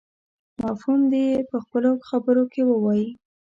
مفهوم دې يې په خپلو خبرو کې ووايي.